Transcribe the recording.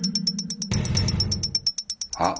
あ。